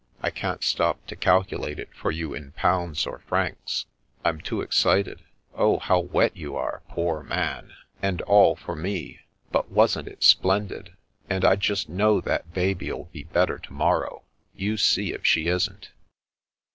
I can't stop to calculate it for you in pounds or francs. I'm too excited. Oh, how wet you are, poor Man ! And all for me ! But wasn't it splen did f And I just know that baby '11 be better to morrow. You see if she isn't."